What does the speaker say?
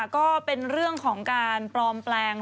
ก็เป็นเรื่องของการปลอมแปลง